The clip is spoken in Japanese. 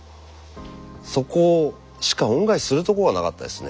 そこしか恩返しするとこがなかったですね。